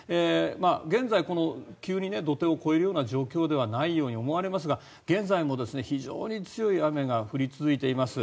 現在、この急に土手を越えるような状況にはないように思われますが現在も非常に強い雨が降り続いています。